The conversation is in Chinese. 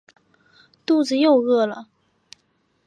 肚子又饿了